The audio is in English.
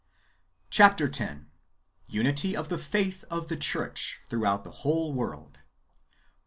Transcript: Chap. x. — Unity of the faith of the church throughout the ivhole luorld.